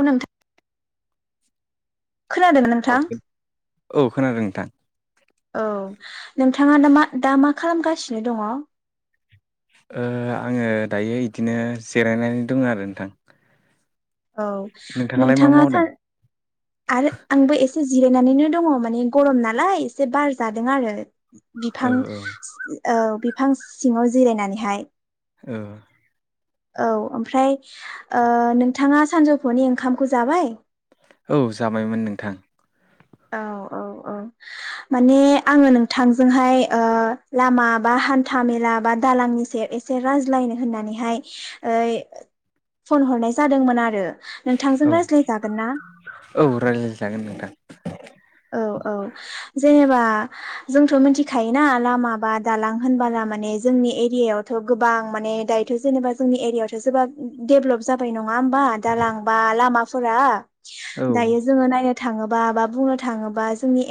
उ [unintelligible] खोनादों औ नोंथां औ खोनादों नोंथां औ नोंथाङा ना मा दा मा खालामगासिनो दङ ओ आङो दायो बिदिनो जिरायनानै दङ आरो नोंथां। औ नोंथाङालाय मा नोंथाङा मावदों थारै आरो आंबो ए [unintelligible] औ बिफां औ बिफां सिङाव जिरायनानैहाय। ओ औ ओमफ्राय ओ नोंथाङा सानजौफुनि ओंखामखौ जाबाय। औ जाबायमोन नोंथां औ औ औ माने नोंथांजों औ रायज्लाय जागोन ना? औ रायज्लायजागोन नोंथां औ औ जेनेबा जोंथ' मिथिखायोना लामा बा दालां होनबोला माने जोंनि एरियायावथ' गोबां माने दायोथ' जेनेबा जोंनि एरिया आवथ' जोबोद डेभेलप जाबाय नङा होमबा दालां बा लामाफोरा। औ दायो जोङो नायनो। थाङोबा बा बुंनो थाङोबा जोंनि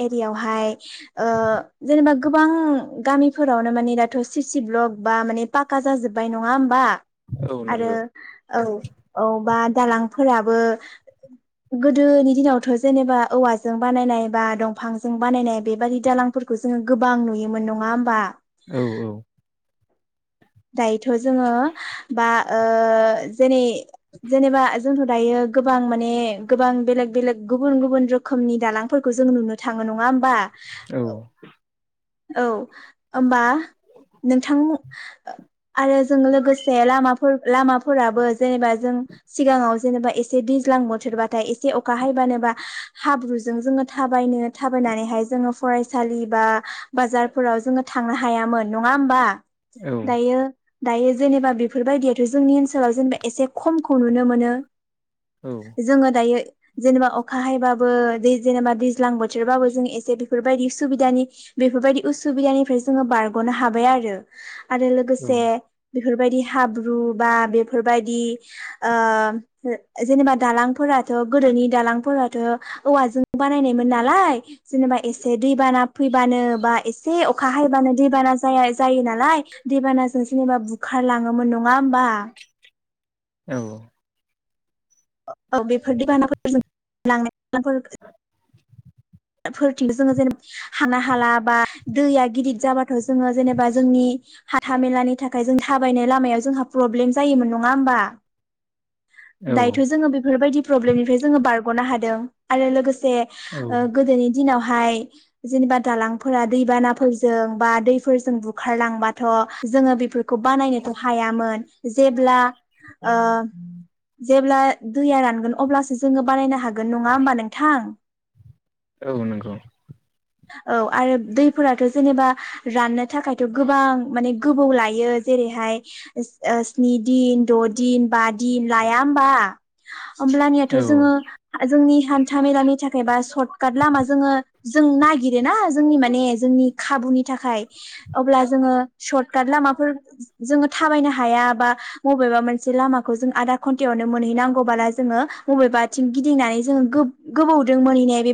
औ आरो नंगौ औ औबा दालांफोराबो गोदोनि दिनावथ' जेनेबा औवा जों बानायनाय बा दंफांजों बानायनाय बेबादि दालांफोरखौ जोङो गोबां नुयोमोन नङा होमबा। औ औ दायो थ' जोङो बा ओ जेनै जेनेबा जोंथ दायो गोबां माने गोबां बेलेग बेलेग गुबुन गुबुन रोखोमनि दालांफोरखौ जों नुनो थाङो नङा होमबा। औ औ होबा नोंथां। आरो जों लोगोसे लामा लामाफोराबो जेनेबा जों सिगाङाव जेनेबा एसे दैज्लां बोथोरबाथाय एसे अखा हैबानोबा हाब्रुजों जोङो। थाबायनो थाबायनानैहाय जोङो फरायसालि बा बाजारफोराव जोङो थांनो हायामोन नङा होमबा। औ दायो। दायो जेनेबा बेफोरबायदियाथ' जोंनि ओनसोलाव जेनेबा एसे खमखौ नुनो मोनो। औ जोङो दायो। जेनेबा अखा हायबाबो दै जेनेबा दैज्लां बोथोरबाबो जों एसे बेफोरबायदि सुबिदानि बेफोरबायदि उसुबिदानिफ्राय जोङो बारग'नो हाबाय आरो आरो औ लोगोसे बेफोरबायदि हाब्रु बा बेफोरबायदि जेनेबा दालांफोराथ' गोदोनि दालांफोराथ' औवाजों बानायनायमोन नालाय जेनेबा एसे दै बाना फै बानो बा एसे अखा हायबानो दैबाना जाया जायो। औ। [inaudible] फोरथिं जोङो जेनेबा हाना हाला बा दैया गिदिर जाबाथ' जोङो जेनेबा जोंनि हाथा मेलानि थाखाय जों थाबायनाय लामायाव जोंहा प्रब्लेम जायोमोन नङा होमबा। औ दायोथ' जोङो बेफोरबायदि। प्रब्लेमनिफ्राय जोङो बारग'नो हादों आरो लोगोसे। औ जे। ओ गोदोनि दिनाव। हाय जेनेबा दालांफोरा दैबानाफोरजों बा दैफोरजों बुखारलांबाथ' जोङो बेफोरखौ बानायनोथ' हायामोन जेब्ला ओ। [inaudible] औ आरो दैफोराथ' जेनेबा राननो थाखायथ' गोबां माने गोबौ लायो जेरैहाय स्नि दिन द' दिन बा दिन लाया होमबा। हब्लानियाथ' औ जोङो जोंनि। हान्था मेला। सथखाथ लामाजों।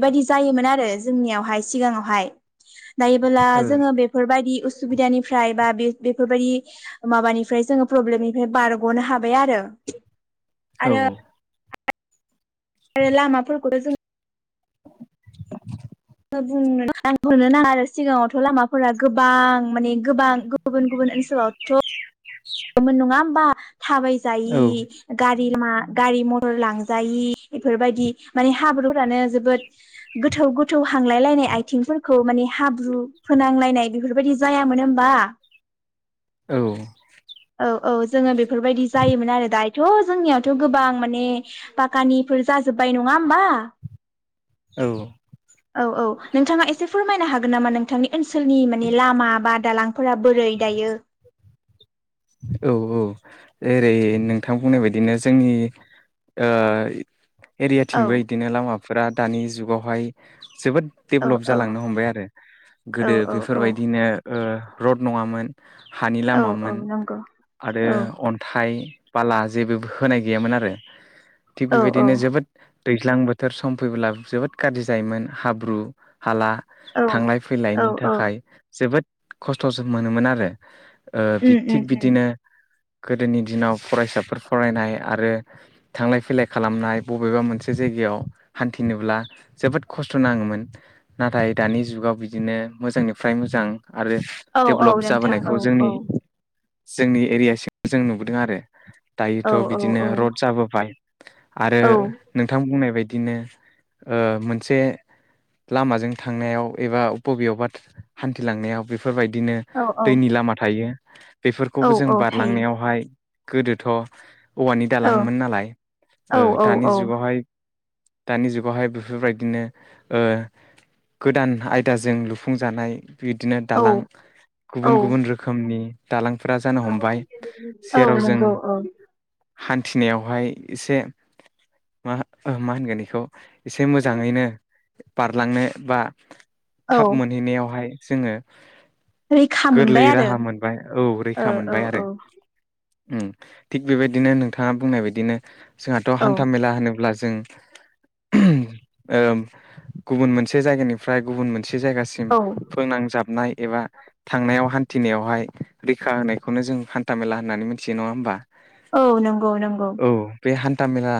बायाददि जायोमोन आरो जोंनियावहाय सिगाङावहाय। थायोबोला औ जोङो बेफोरबायदि। उसुबिदानिफ्राय बा बे बेफोरबायदि। औ औ। आरो लामाफोरखौ जों। [inaudible] नो नाङा आरो सिगाङावथ' लामाफोरा गोबां माने गोबां। गुबुन गुबुननसोलाव थ थाबाय औ जायि गारि मा। गारि मथर लांजायि बेफोरबायदि माने हाब्रुफ्रानो जोबोद गोथौ गोथौ हांलाय लायनाय आथिंफोरखौ माने हाब्रु फोनांलायनाय बेफोरबायदि जायामोन होमबा। औ। औ औ जोङो बेफोरबायदि जायोमोन आरो दायोथ' जोंनियावथ' गोबां माने पाखानिफोर औ। औ औ नोंथाङा एसे फोरमायनो हागोन नामा नोंथांनि ओनसोलनि माने लामा बा दालां। फोरा बोरै दायो। औ औ जेरै। औ एरियाथिंबो बिदिनो लामाफोरा दानि जुगाव। हाय। जोबोद औ डेभलप औ जालांनो हमबाय आरो औ गोदो औ औ बेफोरबायदिनो ओ। रड नङामोन। हानि औ औ लामामोन। नंगौ आरो औ अन्थाइ। बाला जेबो होनाय गैयामोन आरो। थिग औ औ बेबायदिनो जोबोद दैज्लां बोथोर सम फैब्ला जोबोद गाज्रि जायोमोन हाब्रु हाला औ थांलाय औ फैलायनि औ थाखाय जोबोद खस्थ'जों मोनोमोन आरो ओ उम बिद उम उम बिदिनो गोदोनि दिनाव फरायसाफोर फरायनाय आरो थांलाय फैलाय खालामनाय बबेबा मोनसे जायगायाव हान्थिनोब्ला जोबोद खस्थ' नाङोमोन नाथाय दानि जुगाव बिदिनो मोजांनिफ्राय मोजां आरो औ औ डेभ्लप नोंथां जाबोनायखौ औ जोंनि जोंनि एरिया सिम जों नुबोदों आरो औ दायोथ' औ बिदिनो औ रड जाबोबाय आरो औ नोंथां बुंनाय बायद दिनो ओ मोनसे लामाजों थांनायाव एबा बबेयावबा हान्थिलांनायाव बेफ फोरबायदिनो औ दैनि लामा थायो औ बेफोरखौबो जों औ थायो बारलांनायावहाय गोदोथ' औवानि दालांमोन नालाय ओ औ औ दानि जुगावहाय दानि जुगावहाय बेफोरबायदिनो ओ गोदान आयदाजों लुफुंजानाय बिदिनो औ दालां औ गुबुन गुबुन रोखोमनि दालांफोरा जानो हमबाय औ सेराव जों नंगौ औ हान्थिनायावहाय एसे मा मा होनगोन बेखौ एसे मोजाङैनो बारलांनो बा थाब औ मोनहैनायावहाय जोङो रैखा गोरलै मोनबाय आरो राहा मोनबाय ओ औ-औ ओम थिग बेबायदिनो नोंथाङा बुंनाय बायदिनो जोंहाथ' औ हान्था मेला होनोब्ला जों ओम गुबन मोनसे जायगानिफ्राय गुबन मोनसे जायगासिम औ फोनांजाबनाय एबा थांनायाव हान्थिनायावहाय रैखा होनायखौनो जों हान्था मेला होननानै मिथियो नङा होमबा औ नंगौ नंगौ। दा बेहा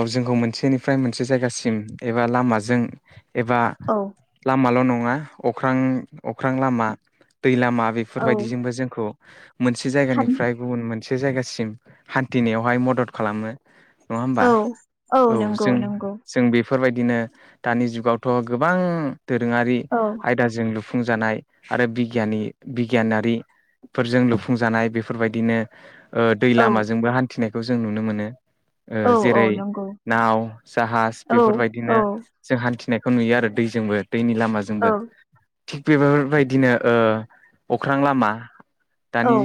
ओ जोंखौ मोनसेनिफ्राय मोनसे जायगासिम एबा लामाजों एबा औ लामाल' न नङा अख्रां औ बेफोरबायदिजोंबो जोंखौ मोनसे हान जायगानिफ्राय गुबुन मोनसे जायगासिम हान्थिनायावहाय मदद खालामो। नङा होमबा औ औ नंगौ जों नंगौ जों बेफोरबायदि बिदिनो दानि जुगावथ' गोबां दोरोङारि औ आयदाजों लु फुंजानाय आरो बिगियानि बिगियानारिफोरजों लुफुंजानाय बेफोरबायदिनो ओ दै औ लामाजोंबो हान्थिनाय बेखौ जों नुनो मोनो। ओ औ औ जेरै नंगौ नाव जाहाज औ बेफोरबायदिनो औ जों हान्थिनाय बेखौ नुयो आरो दैजोंबो। दैनि लामाजोंबो। औ थिग बेफोरफोरबायदिनो ओ अख्रां लामा औ दानि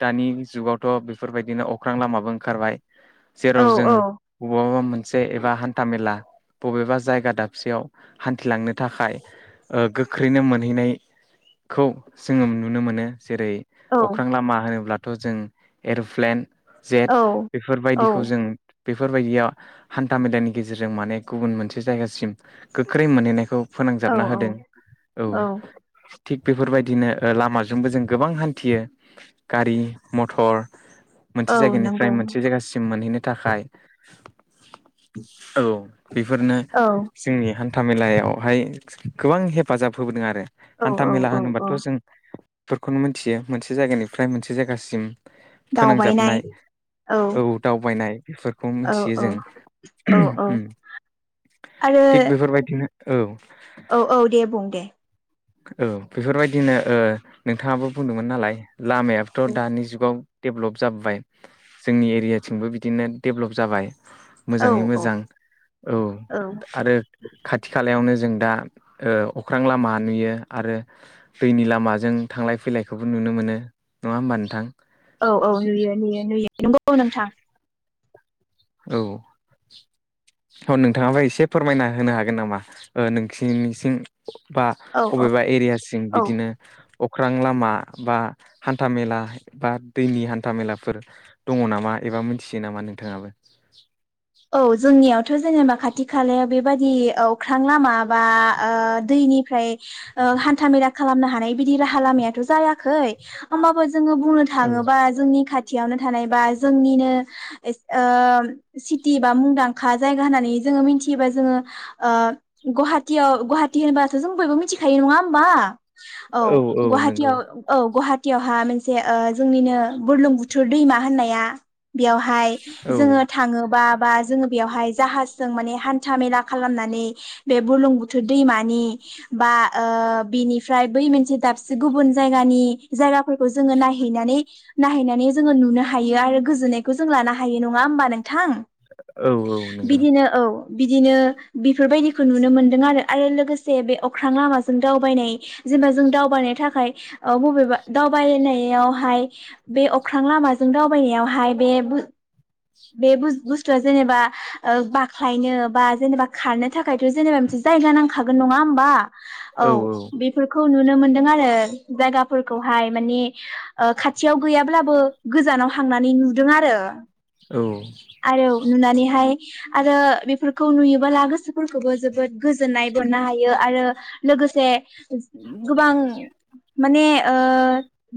दानि जुगावथ' बेफोरबायदिनो अख्रां लामाबो ओंखारबाय। जेराव औ जों औ बबावबा मोनसे एबा हान्था मेला बबेबा जायगा दाबसेयाव हान्थिलांनो थाखाय गोख्रैनो मोनहैनायखौ जोङो नुनो मोनो। जेरै अख्रां लामा होनोब्ला थ' जों एर'प्लेन जेट औ बेफोरबायदिखौ जों बेफोरबायदियाव हान्था मेलानि गेजेरजों माने गुबुन मोनसे जायगासिम गोख्रै मोनहैनायखौ औ फोनांजाबना होदों। औ थिग बेफोरबाय बिदिनो लामाजोंबो जों गोबां हान्थियो गारि मथर मोनसे औ जायगानिफ्राय नंगौ मोनसे जायगासिम मोनहैनो थाखाय औ। बेफोरनो औ जोंनि हान हान्थामेलायावहाय गोबां हेफाजाब होबोदों आरो औ हान्थामेला औ औ होनोबाथ बेफोरखौनो मोनथियो मोनसे जायगानिफ्राय मोनसे जायगासिम दावबायनाय फोनांजाबनाय औ दावबायनाय बेफोरखौ औ मिथियो जों औ औ आरो थिग बेफोरबायदिनो औ। औ, औ दे बुं दे। औ बेफोरबायदिनो ओ नोंथाङाबो बुंदोंमोन नालाय। लामायाबोथ' दानि जुगाव डेभ्लप जाबोबाय जोंनि एरियाथिंबो बिदिनो डेभ्लप जाबाय। औ मोजाङै औ मोजां औ औ आरो खाथि खालायावनो जों दा ओ अख्रां लामा नुयो। आरो दैनि लामाजों थांलाय फैलायखौबो नुनो मोनो नङा होमबा नोंथां? औ, औ नुयो नुयो नुयो नंगौ। नंगौ नोंथां औ औ थ' नोंथाङाबा इसे फोरमायना होनो हागोन नामा नोंसिनिसिं? बा औ अबेबा एरियासिम औ बिदिनो अख्रां लामा बा हान्थामेला बा दैनि हान्थामेलाफोर दङ नामा एबा मिथियो नामा नोंथाङाबो? [inaudible] औ जोंनियाव थ जेनोबा खाथि खालाया बेबादि अख्रां लामा बा ओ दैनिफ्राय हान्था मेला खालामनो हानाय बादि राहालामायाथ' खालामनो हानाय जायाखै ओमबाबो जोङो बुंनो औ थाङोबा जोंनि खाथ थियावनो थानाय बा जोंनिनो ओ सिट टिओनबा मुंदांखा जायगा होननानै जोङो मिथियोबा जोङो ओ गुवाहाटियाव गुवाहाटि होनबाथो जों बयबो मिथिखायो नङा होमबा। औ गुवाहाटियाव औ गुवाहाट टियावहा मोनसे जोंनिनो बोरलुंबुथुर दैमा होननाया बेवहाय औ जोङो थाङोबा आ जोंङो बे बेयावहाय जाहाजजों माने हान्था मेला खालामनानै बे बुर्लुंबुथुर दैमानि बा ओ बेनिफ्राय बै मोनसे दाबसे गुबुन जायगानि जायगाफोरखौ जोङो नायहैनानै नायहैनानै जोङो नुनो हायो आरो गोजोननायखौ जों लानो हायो नङा होमबा नोंथां। औ औ नोंगौ। बिदिनो औ बिदिनो बेफोरबायदिखौ नुनो मोनदों आरो आरो लोगोसे बे अख्रां लामाजों दावबायनाय जेनेबा जों दावबायनो थाखाय ओ बबेबा दावबायनायावहाय बे अख्रां लामाजों दावबायनायावहाय बे बो बे बु स्थुआ जेनेबा ओ बाख्लायनो बा जेनेबा खारनो थाखायथ' जेनेबा मोनसे जायगा नांखागोन नङा होमबा? औ बेफोरखौ नुनो मोनदों आरो जायगाफोरखौहाय मानि ओ खाथियाव गैयाब्लाबो गोजानाव हांनानै नुदों आरो। औ आरो नुनानैहाय आरो बेफोरखौ नुयोबोला गोसोफोरखौबो जोबोद गोजोननाय मोननो हायो आरो लोगोसे गोबां माने ओ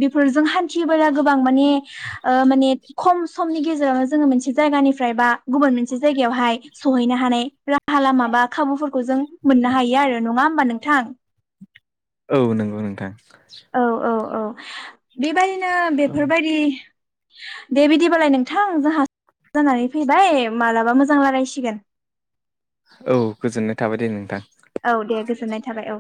बेफोरजों हान्थियोबोला गोबां माने ओ माने खम समनि गेजेरावनो जोङो मोनसे जायगानिफ्राय बा गुबुन मोनसे जायगायावहाय सहैनो हानाय राहा लामा बा खाबुफोरखौ जों मोननो हायो आरो नङा होमबा नोंथां। औ नंगौ नोंथां। औ औ। औ बेबायदिनो। नो बेफोरबायदि। दे बिदिबालाय नोंथां जोंहा जानानै फैबाय मालाबा मोजां रायलायसिगोन। औ गोजोननाय थाबाय दे नोंथां। औ दे गोजोननाय थाबाय औ।